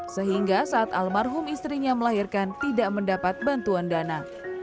sehingga saat almarhum istrinya melahirkan tidak mendapat bantuan dana